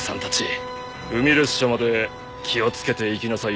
海列車まで気を付けて行きなさいよ。